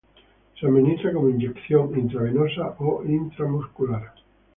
Se administra como inyección intravenosa o intramuscular.